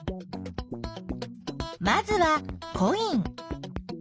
まずはコイン。